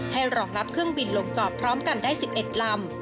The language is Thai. รองรับเครื่องบินลงจอดพร้อมกันได้๑๑ลำ